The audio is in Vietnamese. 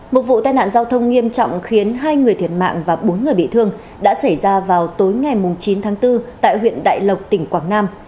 một vụ tai nạn giao thông nghiêm trọng khiến hai người thiệt mạng và bốn người bị thương đã xảy ra vào tối ngày chín tháng bốn tại huyện đại lộc tỉnh quảng nam